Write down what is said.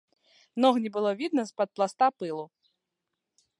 Ног не было відно з-пад пласта пылу.